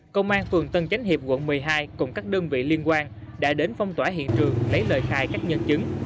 công an phường tân chánh hiệp quận một mươi hai cùng các đơn vị liên quan đã đến phong tỏa hiện trường lấy lời khai các nhân chứng